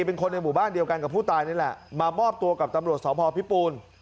เป็นคนในหมู่บ้านเดียวกันกับผู้ตายนี่แหละมามอบตัวกับตำรวจสพพิปูน